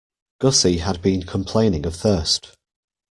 Gussie had been complaining of thirst.